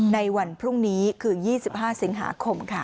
ในวันพรุ่งนี้คือ๒๕สิงหาคมค่ะ